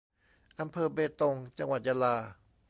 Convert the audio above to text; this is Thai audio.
อำเภอเบตง จังหวัดยะลา